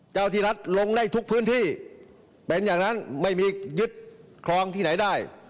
ที่รัฐลงได้ทุกพื้นที่เป็นอย่างนั้นไม่มียึดคลองที่ไหนได้